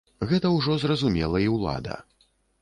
Гэта ўжо зразумела і ўлада.